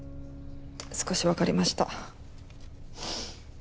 少しわかりました。